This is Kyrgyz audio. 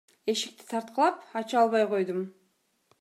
Эшикти тарткылап, ача албай койдум.